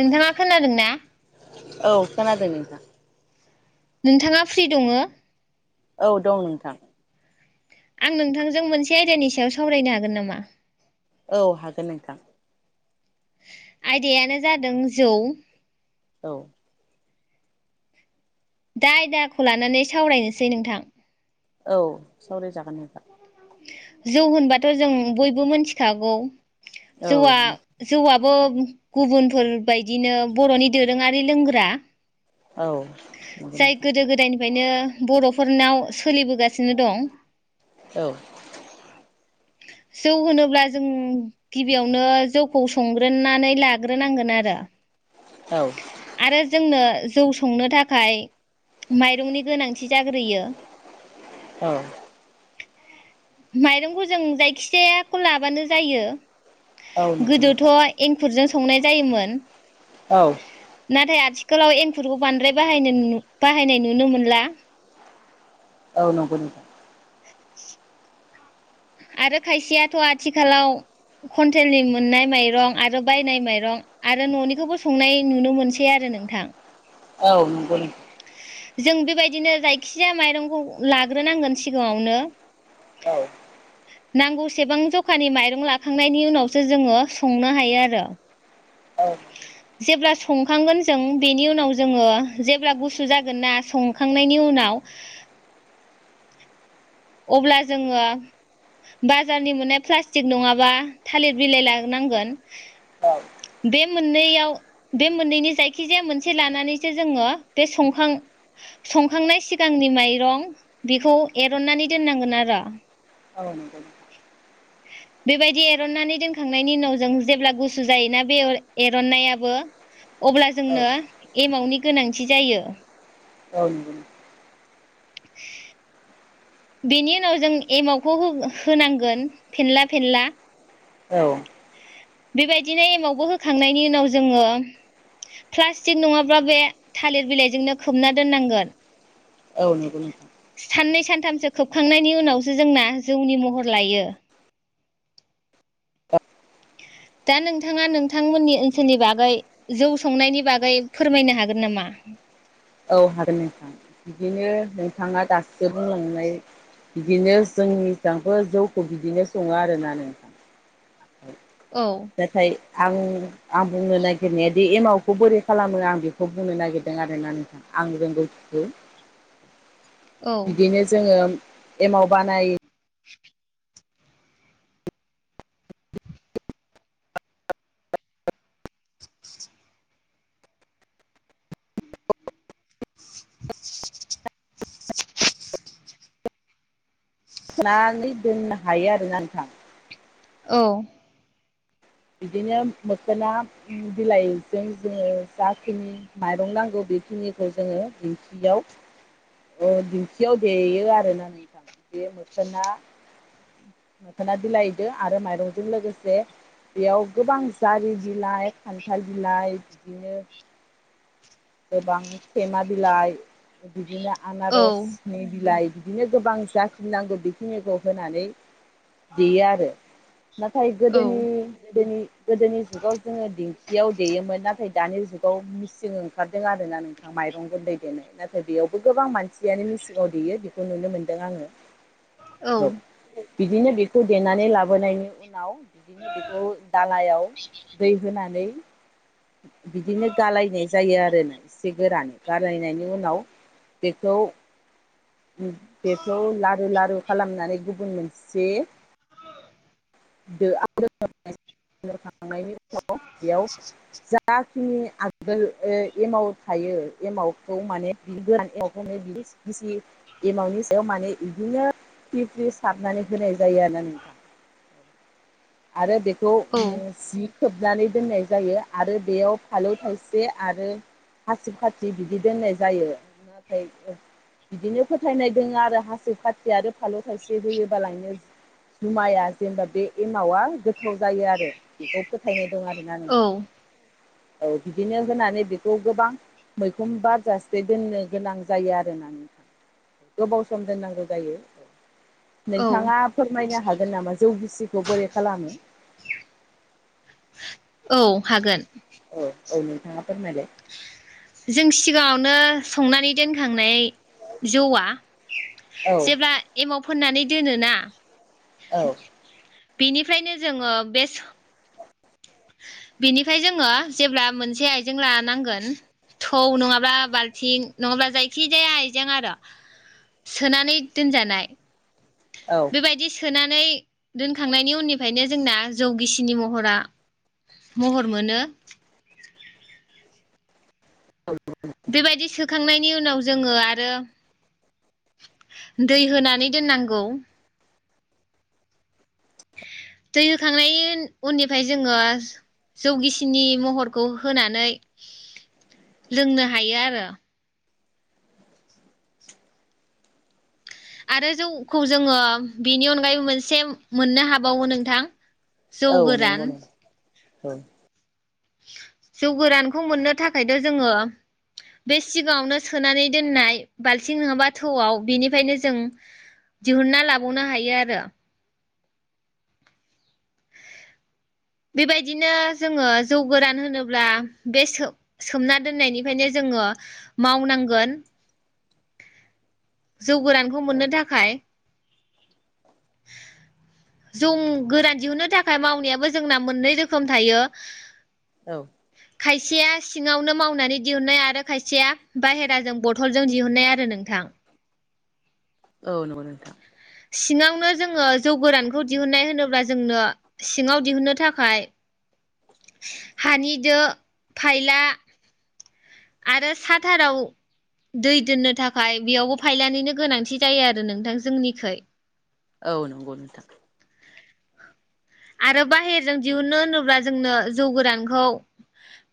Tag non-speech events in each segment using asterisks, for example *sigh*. नोंथाङा खोनादों ना? औ खोनादों नोंथां नोंथाङा फ्रि दङो औ दं नोंथां आं नोंथांजों मोनसे आयदानि सायाव सावरायनो हागोन नामा? औ हागोन नोंथां। आयदायानो जादों जौ। औ दा आयदाखौ लानानै सावरायनोसै नोंथां। औ सावरायजागोन नोंथां? जौ होनबाथ' जों बयबो मोनथिखागौ औ जौआ जौआ बो गुबुनफोरबायदिनो बर'नि दोरोङारि लोंग्रा औ नंगौ नोंथां। बेनिखायनो बर'फोरनाव सोलिबोगासिनो दं। औ जौ होनोब्ला जों गिबियावनो जौखौ संग्रोनानै लाग्रोनांगोन आरो। औ आरो जोंनो। जौ संनो थाखाय माइरंनि गोनांथि जाग्रोयो। औ माइरंखौ जों जायखिजायाखौ लाबानो जायो। नंगौ गोदोथ' नोंथां एंखुरजों संनाय जायोमोन। औ नाथाय आ आथिखालाव एंखुरखौ बांद्राय बाहाय बाहायनाय नुनो मोनला। औ नंगौ नों *unintelligible* आरो खायसेयाथ' आथिखालाव कुन्टेलनि मोननाय माइरं आरो बायनाय माइरं आरो न'निखौबो संनाय नुनो मोनसै आरो नोंथां। औ नंगौ नोंथां जों बेबायदिनो जायखिजाया माइरंखौ लाग्रोनांगोन सिगाङावनो। औ नांगौसेबां जखानि माइरं लाखांनायनि उनावसो जोङो संनो हायो आरो। औ जेब्ला संखांगोन जों बेनि उनाव जोङो जेब्ला गुसु जागोन ना संखांनायनि उनाव अब्ला जोङो बाजारनि मोननाय प्लास्टिक नङाबा थालिर बिलाइ लानांगोन। औ बे मोननैयाव बे मोननैनि जायखिजाया मोनसे लानानैसो जोङो बे सखां संखांनाय सिगांनि माइरं बेखौ एरननानै दोननांगोन आरो। औ नोंथां बेबायदि एरननानै दोनखांनायनि उनाव जों जेब्ला गुसु जायोना बे एरननायाबो अब्ला जोंनो एमावनि गोनांथि जायो। औ *unintelligible* बेनि उनाव जों एमावखौ होनांगोन फेनला फेनला औ बेबायदिनो एमावबो होखांनायनि उनाव जोङो प्लास्टिक नङाब्ला बे थालिर बिलाइजोंनो खोबना दोननांगोन। औ नंगौ नोंथां साननै सानथामसो खोबखांनायनि उनावसो जोंना जौनि महर लायो। दा नोंथाङा नोंथांमोननि ओनसोलनि बागै जौ संनायनि बागै फोरमायनो हागोन नामा? औ हागोन नोंथां बिदिनो नोंथाङा दासो बुंलांनाय बिदिनो जोंनिसांबो जौखौ बिदिनो सङो आरोना नोंथां। औ नाथाय आं आं बुंनो नागिरनायादि एमावखौ बोरै खालामो आं बेखौ बुंनो नागिरदों आरोना नोंथां आंनि रोंगौथिखौ। औ बिदिनो जोङो एमाव बानाय *inaudible* नानै दोननो हायो आरोना नोंथां। औ बिदिनो मोखोना बिलाइजों जोङो जाखिनि माइरं नांगौ बेखिनिखौ जोङो दिंखियाव ओ दिंखियाव देयो आरोना नोंथां बे मोखोना मोखोना बिलाइजों आरो माइरंजों लोगोसे बेयाव गोबां जारि बिलाइ खान्थाल बिलाइ बिदिनो गोबां सेमा बिलाइ बिदिनो औ आनारसनि बिलाइ बिदिनो गोबां जाखिनि नांगौ बेखिनिखौ होनानै देयो आरो। नाथाय औ गोदोनि गोदोनि गोदोनि जुगाव जोङो दिं खियाव देयोमोन नाथाय दानि जुगाव मेसिं ओं खारदों आरोना नोंथां माइरं गुनदै देनो। नाथाय बेयावबो गोबां मानसियानो मेसिङाव देयो बेखौ नुनो मोनदों आङो। औ बिदिनो बेखौ देनानै लाबोनायनि उनाव बिदिनो बेखौ दालायाव दै होनानै बिदिनो गालायनाय जायो आरोना एसे गोरानै गालायनायनि उनाव बेखौ उ बेखौ लारु लारु खालामनानै गुबुन मोनसे *unintelligible* थांनायनि उनाव बेयाव जा खिनि आगोल ओ एमाव थायो एमावखौ माने बि गोरान एमावखौे बि गिसि एमावनि सायाव माने इदिनो फ्रि फ्रि सारनानै होनाय जायो आरोना नोंथां। आरो बे खौ औ उम जि खोबनानै दोननाय जायो आरो बेयाव फालौ थाइसे आरो हासिब खाथि बिदि दोननाय जायो। नाथाय बिदिनो फोथायनाय दोङो आरो हासिब खाथि आरो फालौ थाइसे होयोबालायनो जुमाया जेनेबा बे एमावा गोथाव जायो आरो बेखौ फोथायनाय दं आरोना औ नोंथां। औ बिदिनो होनानै बेखौ गोबां मैखुन बारजासे दोननो गोनां जायो आरोना नोंथां गोबाव सम दोननांगौ जायो औ। औ नोंथाङा फोरमायनो हागोन नामा? जौ गिसिखौ बोरै खालामो औ हागोन औ औ नोंथाङा फोरमायलाय जों सिगाङावनो संनानै दोनखांनाय जौआ औ जेब्ला एमाव फोननानै दोनोना औ बेनिफ्रायनो जोङो बे बेनिफ्राय जोङो जेब्ला मोनसे आइजें लानांगोन थौ नङाब्ला बालथिं नङाब्ला जायखिजाया आइजें आरो सोनानै दोनजानाय औ बेबायदि सोना नै दोनखांनायनि उननिफ्रायनो जोंना जौ गिसिनि महरा महर मोनो बेबायदि सोखांनायनि उनाव जोङो आरो दै होनानै दोननांगौ दै होखांनायनि उननिफ्राय जोङो जौ गिसिनि महरखौ होनानै लोंनो हायो आरो आरो जौखौ जोङो बेनि अनगायैबो मोनसे मोननो हाबावो नोंथां औ नंगौ जौगोरान नंगौ औ जौ गोरानखौ मोननो थाखायथ' जोङो बे सिगाङावनो सोनानै दोननाय बाल्थिं नङाबा थौआव बेनिफ्रायनो जों दिहुनना लाबावनो हायो आरो बेबायदिनो जोङो जौ गोरान होनोब्ला बे सोमना दोननायनिफ्रायनो जोङो मावनांगोन जौ गोरानखौ मोननो थाखाय *inaudible* जौ गोरान दिहुनो थाखाय मावनायाबो जोंना मोननै रोखोम थायो औ खायस खायसेया सिङावनो मावनानै दिहुनाय आरो खायसेया बाहेराजों बथलजों दिहुनाय आरो नों थां औ नंगौ नोंथां सिङावनो जोङो जौ गोरानखौ दिहुनन्नाय होनोब्ला जोंनो सिङाव दिहुनो थाखाय हानिदो फायला आरो साथाराव दै दोननो थाखाय बेयावबो फायलानिनो गोनांथि जायो आरो नोंथां जोंनिखै औ नंगौ नोंथां आरो बाहेरजों दिहुनो होनोब्ला जोंनो जौ गोरानखौ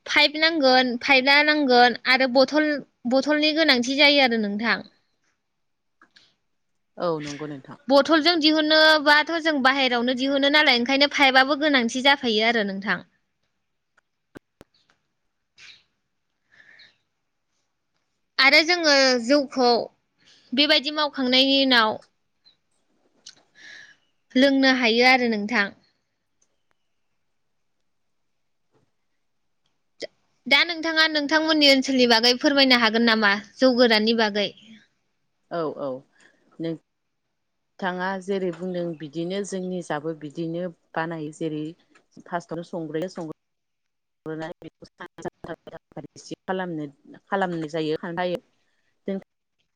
पाइप नांगोन पाइपआ नांगोन आरो बथल बथलनि गोनांथि जायो आरो नोंथां औ नंगौ नोंथां बथलजों दिहुनोबाथ' जों बायेरावनो दिहुनो नालाय ओंखायनो फाइपआबो गोनांथि जाखायो आरो नोंथां आरो जोङो जौखौ बेबायदि मावखांनायनि उनाव लोंनो हायो आरो नोंथां दा नोंथाङा नोंथांमोननि ओनसोलनि बागै फोरमायनो हागोन नामा जौगोरानि बागै औ औ नों बिथाङा जेरै बुंदों बिदिनो जोंनिजाबो बिदिनो बानायो जेरै फार्स्टआवनो संग्रोयो संग्रो *unintelligible*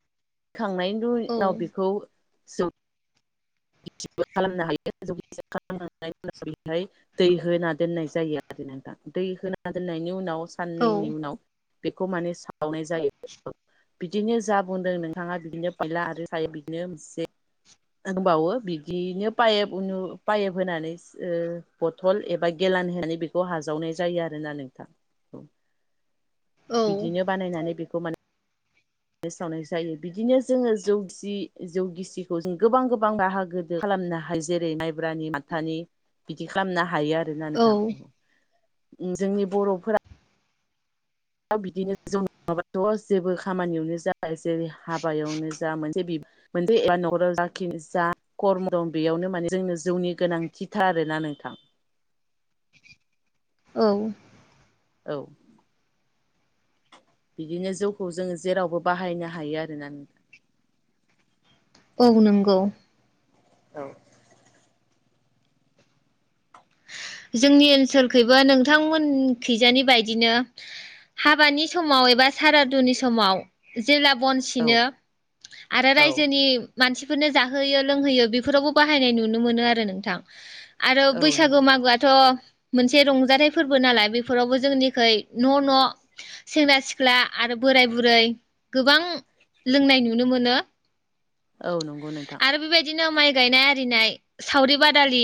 खांनायनि औ उनाव बेखौ स बिदिबो खालामनो हायो गि खालामनायनि उनाव बेहाय दै होना दोननाय जायो आरो नोंथां दै होना दोननायनि उनाव औ साननैनि उनाव बेखौ माने सावनाय जायो। बिदिनो जा बुंदों नोंथाङा बिदिनो फैला आरो जायो बिदिनो से होनबावो बिदियनो पाइप उनु पाइप होनानै बथल एबा गेेलान होनानै बेखौ हाजावनाय जायो आरो ना नोंथां औ। औ बिदिनो बानायनानै बे खौ माने सावनाय जायो। बिदिनो जोङो जौ गिसि जौ गिसिखौ जों गोबां गोबां बाहागोदो खालामनो हायो। जेरै माइब्रानि माथानि बिदि खालामनो हायो। हायो आरो ना औ नोंथां। जोंनि बर'फोरा बिदिनो जौ नङाबाथ जेबो खामानियावनो जाया। जेरै हाबायावनो जा मोनसे मोनसेबा नखराव जाखि जा कर्म दं। बेयावनो माने जोंनो जौनि गोनांथिथार आरोना नोंथां। औ औ बिदिनो जौखौ जोङो जेरावबो बाहायनो हायो आरोना। औ नंगौ औ जोंनि ओनसोलखैबो नोंथांमोनखैजानि बायदिनो हाबानि समाव एबा सारादुनि समाव जेब्ला बन औ सिनो आरो औ रायजोनि मानसिफोरनो जाहोयो लोंहोयो बेफोरावबो बाहायनाय नुनो मोनो आरो नोंथां। आरो औ बैसागु नंगौ मागोआ ओ मोनसे रंजाथाइ फोरबो नालाय बेफोरावबो जोंनिखै न न सेंग्रा सिख्ला आरो बोराय बुरै गोबां लोंनाय नुनो मोनो। औ नंगौ नोंथां। आरो बेबायदिनो माइ गायनाय आरिनाय सावरि बादालि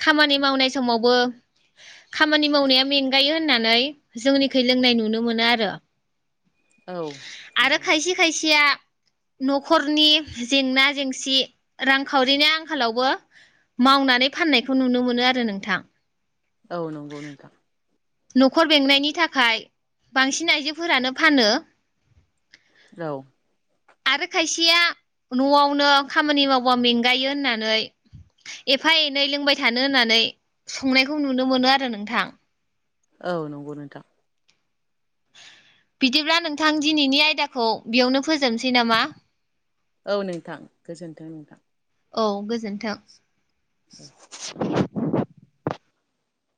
खामानि मावनाय समावबो खामानि मावनाया मेंगायो। होननानै जोंनिखै लोंनाय नुनो मोनो आरो। औ आरो नंगौ नोंथां खायसे खायसेया नखरनि जेंना जेंसि रांखावरिनि आंखालावबो मावनानै फाननायखौ नुनो मोनो आरो नों थां औ नंगौ नोंथां नखर बेंनायनि थाखाय बांसिन आइजोफोरानो फानो। औ आरो खायसेया नयावनो खामानि मावबा मेंगायो होननानै एफा एनै लोंबाय थानो होननानै संनायखौ नुनो मोनो आरो नोंथां। औ नंगौ नोंथां बिदिब्ला नोंथां दिनैनि आयदाखौ बेयावनो फोजोबनोसै नामा औ नोंथां गोजोनथों। औ गोजोन्थों। *inaudible*